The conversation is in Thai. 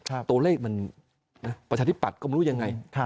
ตัวเลขมันประชาธิปัตย์ก็ไม่รู้ยังไง